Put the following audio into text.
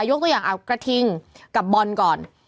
ยกตัวอย่างเอากระทิงกับบอลก่อน